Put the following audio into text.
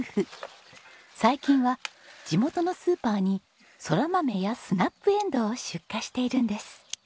最近は地元のスーパーにソラマメやスナップエンドウを出荷しているんです。